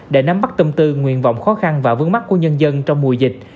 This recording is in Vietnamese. để nắm bắt tâm tư nguyện vọng khó khăn và vướng mắt của nhân dân trong mùa dịch